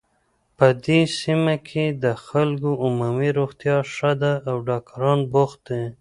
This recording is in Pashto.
په دې سیمه کې د خلکو عمومي روغتیا ښه ده او ډاکټران بوخت دي